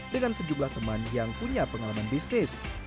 dengan sejumlah teman yang punya pengalaman bisnis